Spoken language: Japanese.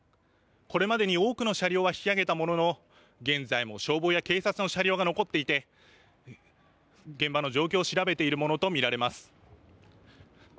これまでに多くの車両は引き上げたものの現在も消防や警察の車両が残っていて現場の状況を調べているものと見られます。